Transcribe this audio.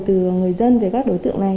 từ người dân về các đối tượng này